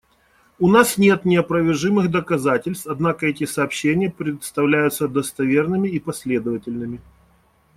У нас нет неопровержимых доказательств, однако эти сообщения представляются достоверными и последовательными.